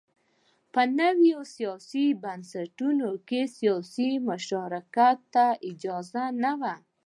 په نویو سیاسي بنسټونو کې سیاسي مشارکت ته اجازه نه وه.